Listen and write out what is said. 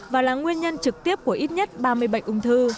và là nguyên nhân trực tiếp của ít nhất ba mươi bệnh ung thư